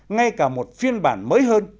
ngay cả một phiên bản mới hơn